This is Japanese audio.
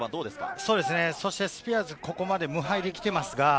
スピアーズはここまで無敗できています。